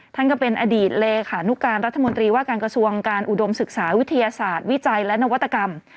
ท่านก็เป็นอดีตเลขานุการรัฐมนตรีว่าการกระทรวงการอุดมศึกษาวิทยาศาสตร์วิจัยและนวัตกรรม